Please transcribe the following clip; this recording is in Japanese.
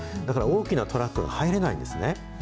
だから大きなトラックが入れないんですね。